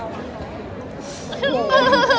เอาแค่วันนี้ให้รอดก็ถูกใจนะ